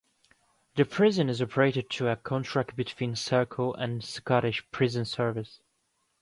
The prison is operated to a contract between Serco and the Scottish Prison Service.